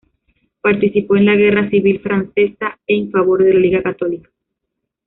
Participó en la guerra civil francesa, en favor de la Liga Católica.